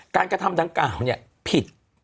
กระทำดังกล่าวเนี่ยผิด